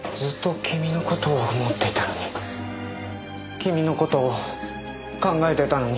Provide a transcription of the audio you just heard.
君の事を考えてたのに。